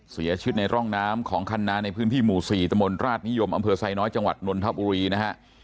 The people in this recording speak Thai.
เสียชีวิตในร่องน้ำของคันนาในพื้นที่หมู่๔ตมราชนิยมอไซน้อยจนทับอุรีนะครับ